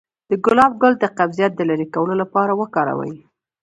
د ګلاب ګل د قبضیت د لرې کولو لپاره وکاروئ